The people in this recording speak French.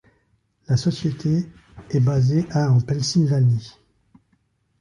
La société est basée à en Pennsylvanie.